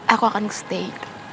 aku akan stay